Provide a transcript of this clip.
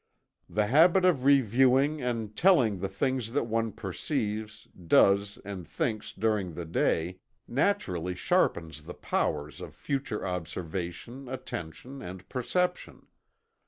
The habit of reviewing and "telling" the things that one perceives, does and thinks during the day, naturally sharpens the powers of future observation, attention and perception.